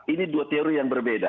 ini dua teori yang berbeda